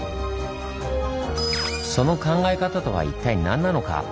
その考え方とは一体何なのか？